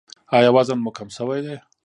ایا وزن مو کم شوی دی؟